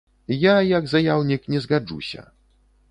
Я, як заяўнік, не згаджуся.